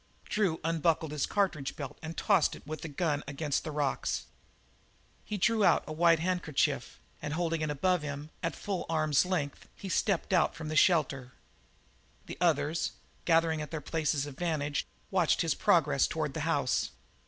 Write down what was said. Drew unbuckled his cartridge belt and tossed it with his gun against the rocks. He drew out a white handkerchief, and holding it above him, at a full arm's length, he stepped out from the shelter. The others, gathering at their places of vantage, watched his progress toward the house.